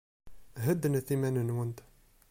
Heddnet iman-nwent.